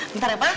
bentar ya pak